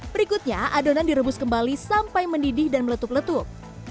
berikutnya adonan direbus kembali sampai mendidih dan meletup letup